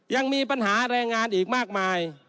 ยังมีปัญหาแรงงานอีกมากมาย